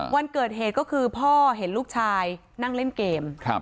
วันเกิดเหตุก็คือพ่อเห็นลูกชายนั่งเล่นเกม